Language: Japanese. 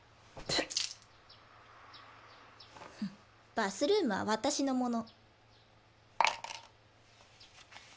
バスルームは私のもの。